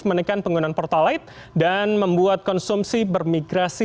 menekan penggunaan pertalite dan membuat konsumsi bermigrasi